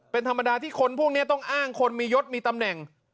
เป็นธรรมดาที่คนพวกนี้ต้องอ้างคนมียศมีตำแหน่ง